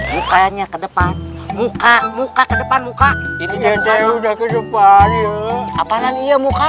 mukanya ke depan buka buka ke depan buka ini judgeshan devam apaman iya muka